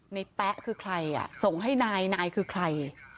แป๊ะคือใครอ่ะส่งให้นายนายคือใคร